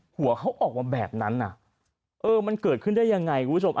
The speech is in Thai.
หัวกะเขาบวิ่งไปใช้ทัททั่วตัวเหมือนแบบนี้เอาเนี้ยเครื่องหน้า